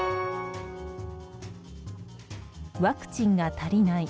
ワクチンが足りない。